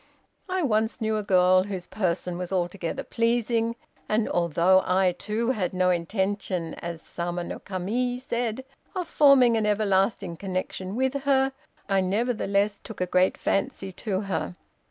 I once knew a girl whose person was altogether pleasing, and although I, too, had no intention, as Sama no Kami said, of forming an everlasting connection with her, I nevertheless took a great fancy to her.